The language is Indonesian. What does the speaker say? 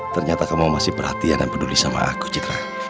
ternyata kamu masih perhatian dan peduli sama aku citra